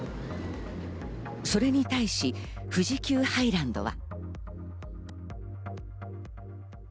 それに対し富士急ハイランドは。